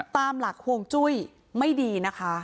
ตามหลักฮวงจุ้ยไม่ดีนะคะ